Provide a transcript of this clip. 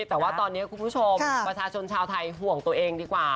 แต่ว่าตอนนี้คุณผู้ชมประชาชนชาวไทยห่วงตัวเองดีกว่า